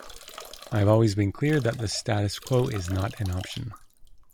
I have always been clear that the status quo is not an option.